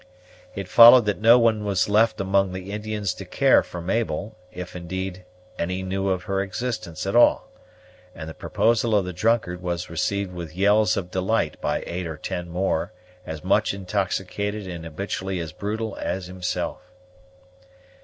It followed that no one was left among the Indians to care for Mabel, if, indeed, any knew of her existence at all; and the proposal of the drunkard was received with yells of delight by eight or ten more as much intoxicated and habitually as brutal as himself.